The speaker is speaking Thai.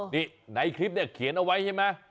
นี่ในคลิปเนี่ยเขียนเอาไว้ใช่ไหม